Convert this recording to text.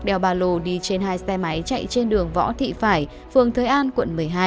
đeo bà lô đi trên hai xe máy chạy trên đường võ thị phải phường thới an quận một mươi hai